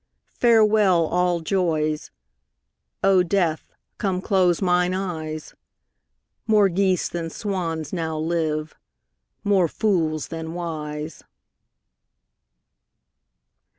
Farewell, all joys; O Death, come close mine eyes; More geese than swans now live, more fools than wise.